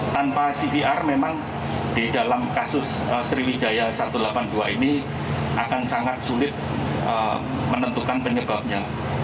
tanpa cvr memang di dalam kasus sriwijaya satu ratus delapan puluh dua ini akan sangat sulit menentukan penyebabnya